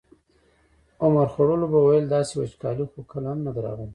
عمر خوړلو به ویل داسې وچکالي خو کله هم نه ده راغلې.